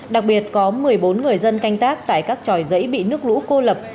đặc biệt có một mươi bốn người dân canh tác tại các tròi dãy bị nước lũ cô lập